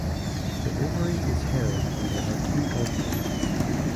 The ovary is hairy and there are two ovules.